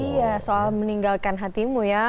iya soal meninggalkan hatimu ya